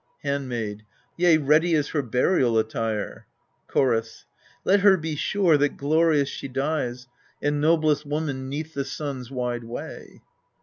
Handmaid. Yea, ready is her burial attire. Chorus. Let her be sure that glorious she dies And noblest woman 'neath the sun's wide way.